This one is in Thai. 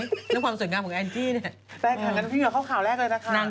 เรื่องความสวยงามของ